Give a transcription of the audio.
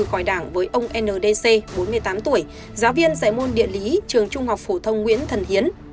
khỏi đảng với ông ndc bốn mươi tám tuổi giáo viên dạy môn địa lý trường trung học phổ thông nguyễn thần hiến